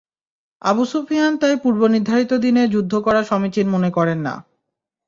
Abu Sufyan তাই পূর্ব নির্ধারিত দিনে যুদ্ধ করা সমীচীন মনে করে না।